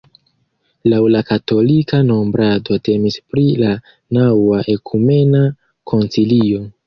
Laŭ la katolika nombrado temis pri la naŭa ekumena koncilio.